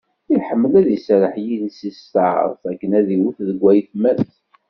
Iḥemmel ad iserreḥ i yiles-is s taɛrabt akken ad d-iwet deg ayetma-s.